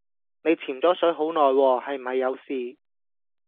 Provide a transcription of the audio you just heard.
你潛左水好耐喎，係唔係有事